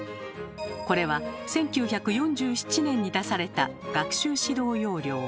これは１９４７年に出された学習指導要領。